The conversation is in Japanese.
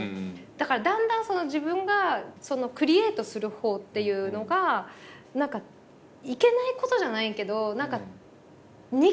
だからだんだん自分がクリエイトする方っていうのが何かいけないことじゃないけど。